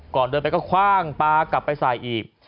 ก่อนเดินไปก็คว่างปลากลับไปสายอีบ